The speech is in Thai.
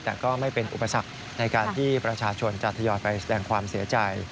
แต่ก็ไม่เป็นอุปสรรคในการที่ประชาชนจะทยอยไปแสดงความเสียใจ